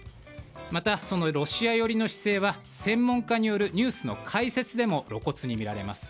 また、ロシア寄りの姿勢は専門家によるニュースの解説でも露骨に見られます。